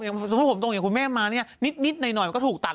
สมมุติผมตรงอย่างคุณแม่มาเนี่ยนิดหน่อยมันก็ถูกตัด